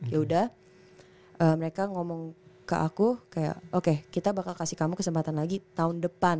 ya udah mereka ngomong ke aku kayak oke kita bakal kasih kamu kesempatan lagi tahun depan